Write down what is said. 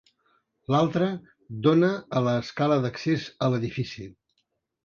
L'altra dóna a l'escala d'accés a l'edifici.